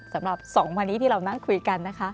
สำหรับ๒วันนี้ที่เรานั่งคุยกันนะคะ